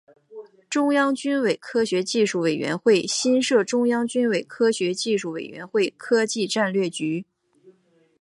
中央军委科学技术委员会新设中央军委科学技术委员会科技战略局。